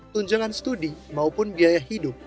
tunjangan studi maupun biaya hidup